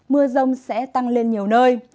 mưa rông sẽ tăng lên nhiều nơi